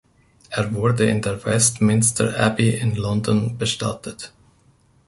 Er wurde in der Westminster Abbey in London bestattet.